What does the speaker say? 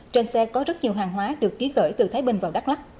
trên xe có rất nhiều hàng hóa được ký gửi từ thái bình vào đắk lắc